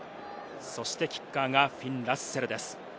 そして、キッカーがフィン・ラッセルです。